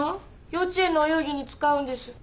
幼稚園のお遊戯に使うんです。